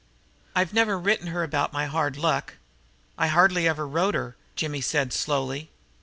"I've never written her about my hard luck. I hardly ever wrote to her," Jimmy said slowly.